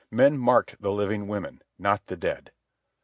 Men marked the living women, not the dead.